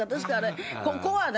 ここはね